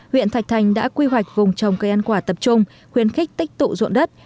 huyện thạch thành đã quy hoạch vùng trồng cây ăn quả tập trung khuyến khích tích tụ ruộng đất